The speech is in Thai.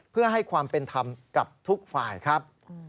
เพื่อให้ความเป็นธรรมกับทุกฝ่ายครับ